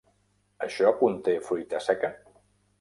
Això conté fruita seca?